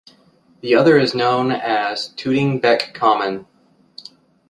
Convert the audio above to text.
The other is now known as Tooting Bec Common.